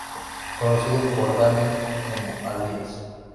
Conocido por "Dani" como alias.